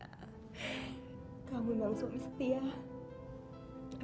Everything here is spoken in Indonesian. aku bangga dan sayang sekali sama kamu